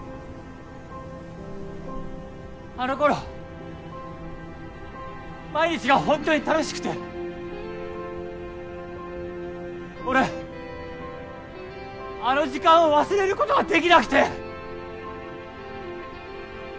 あの頃毎日がほんとに楽しくて俺あの時間を忘れることができなくて。